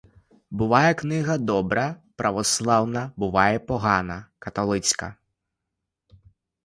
Буває книга добра, православна, буває і погана, католицька.